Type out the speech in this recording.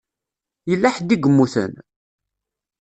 Yella ḥedd i yemmuten?